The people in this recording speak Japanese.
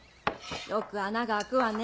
よく穴が開くわね。